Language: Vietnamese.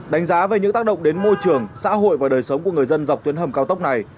đánh giá về những tác động đến môi trường xã hội và đời sống của người dân dọc tuyến hầm cao tốc này